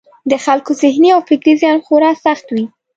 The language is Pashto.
د خلکو ذهني او فکري زیان خورا سخت وي.